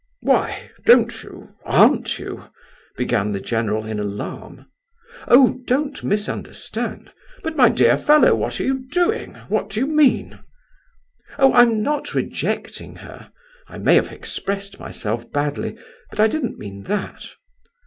"Why, don't you, aren't you—" began the general, in alarm. "Oh, don't misunderstand—" "But, my dear fellow, what are you doing, what do you mean?" "Oh, I'm not rejecting her. I may have expressed myself badly, but I didn't mean that."